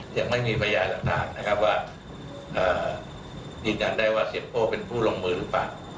ยังไม่มีพยานต่างนะครับว่ายืนยันได้ว่าเสียโป้เป็นผู้ลงมือหรือเปล่า